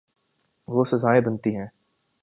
دو سزائیں بنتی ہیں۔